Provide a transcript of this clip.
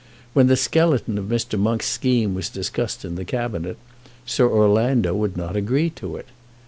When the skeleton of Mr. Monk's scheme was discussed in the Cabinet, Sir Orlando would not agree to it.